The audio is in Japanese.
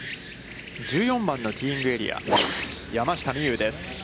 １４番のティーイングエリア、山下美夢有です。